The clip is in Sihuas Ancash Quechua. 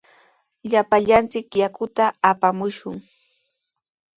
Llapallanchik yakuta apamushun.